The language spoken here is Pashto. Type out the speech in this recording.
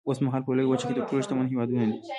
اوسمهال په لویه وچه کې تر ټولو شتمن هېوادونه دي.